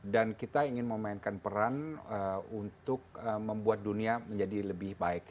dan kita ingin memainkan peran untuk membuat dunia menjadi lebih baik